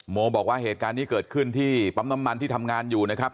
โมบอกว่าเหตุการณ์นี้เกิดขึ้นที่ปั๊มน้ำมันที่ทำงานอยู่นะครับ